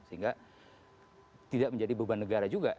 sehingga tidak menjadi beban negara juga